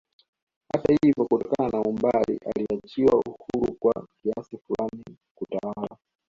Hata ivyo kutokana na umbali aliachiwa huru kwa kiasi fulani kutawala